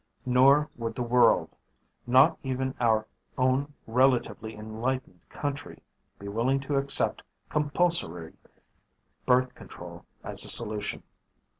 Nor would the world not even our own relatively enlightened country be willing to accept compulsory birth control as a solution.